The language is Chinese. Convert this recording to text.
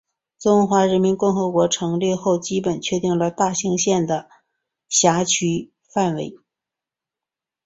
中华人民共和国成立后基本确定了大兴县的辖区范围。